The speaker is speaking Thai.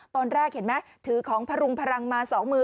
ตอนแรกเห็นไหมถือของพรุงพลังมา๒มือ